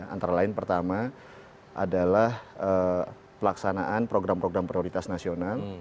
antara lain pertama adalah pelaksanaan program program prioritas nasional